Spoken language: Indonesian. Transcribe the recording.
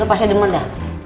lo pasnya demen dah